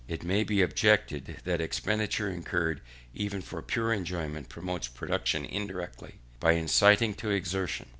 It may be objected, that expenditure incurred even for pure enjoyment promotes production indirectly, by inciting to exertion.